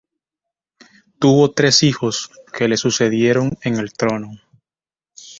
Tuvo tres hijos, que le sucedieron en el trono.